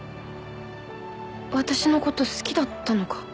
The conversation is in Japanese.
私のこと好きだったのか。